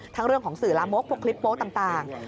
เรื่องของสื่อลามกพวกคลิปโป๊ะต่าง